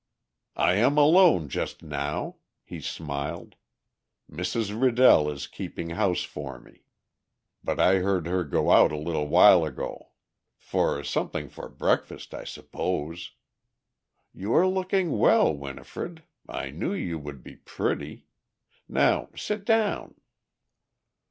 "I am alone just now," he smiled. "Mrs. Riddell is keeping house for me, but I heard her go out a little while ago. For something for breakfast, I suppose. You are looking well, Winifred. I knew you would be pretty. Now, sit down."